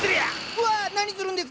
うわ何するんですか！